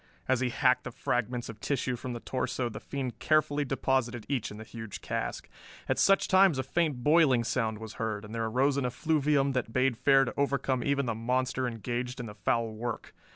As he hacked the fragments of tissue from the torso the fiend carefully deposited each in the huge cask. At such times a faint boiling sound was heard, and there arose an effluvium that bade fair to overcome even the monster engaged in the foul work.